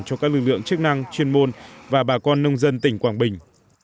cho các lực lượng chức năng chuyên môn và bà con nông dân tỉnh quảng bình